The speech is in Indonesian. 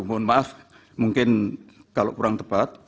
mohon maaf mungkin kalau kurang tepat